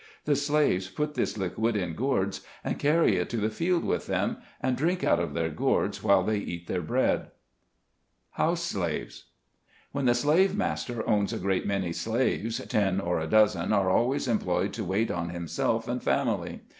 The slaves put this liquid in gourds, and carry it to the field with them, and drink out of their gourds while they eat their bread. 160 SKETCHES OF SLAVE LIFE. HOUSE SLAVES. When the slave master owns a great many slaves, ten or a dozen are always employed to wait on him self and family.